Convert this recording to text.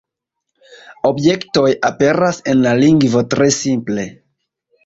Objektoj aperas en la lingvo tre simple.